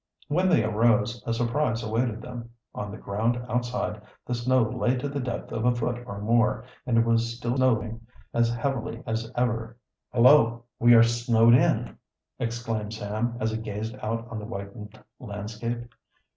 When they arose a surprise awaited them. On the ground outside the snow lay to the depth of a foot or more, and it was still showing as heavily as ever. "Hullo! we are snowed in!" exclaimed Sam, as he gazed out on the whitened landscape.